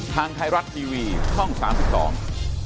ทางไทยรัฐทีวีช่องสามสิบสอง